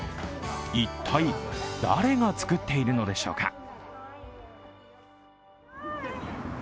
一体、誰が作っているのでしょうか？